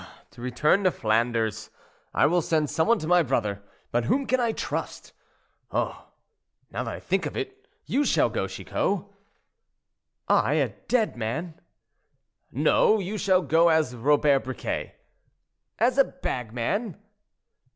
"But to return to Flanders. I will send some one to my brother—but whom can I trust? Oh! now I think of it, you shall go, Chicot." "I, a dead man?" "No; you shall go as Robert Briquet." "As a bagman?"